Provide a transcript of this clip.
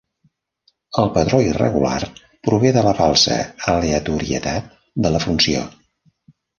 El patró irregular prové de la falsa aleatorietat de la funció.